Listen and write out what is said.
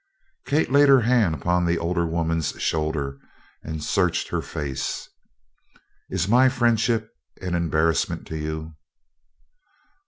Kate laid her hand upon the older woman's shoulder and searched her face: "Is my friendship an embarrassment to you?"